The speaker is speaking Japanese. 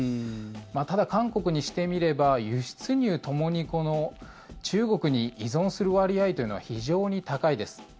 ただ、韓国にしてみれば輸出入ともに中国に依存する割合というのは非常に高いです。